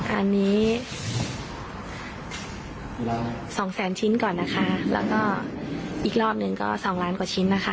อันนี้สองแสนชิ้นก่อนนะคะแล้วก็อีกรอบหนึ่งก็สองล้านกว่าชิ้นนะคะ